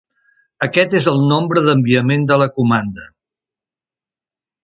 Aquest és el nombre d'enviament de la comanda.